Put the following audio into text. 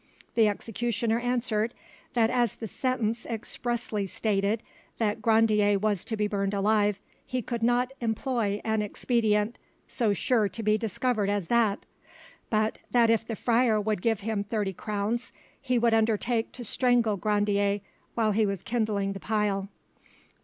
The executioner answered that as the sentence expressly stated that Grandier was to be burnt alive, he could not employ an expedient so sure to be discovered as that; but that if the friar would give him thirty crowns he would undertake to strangle Grandier while he was kindling the pile.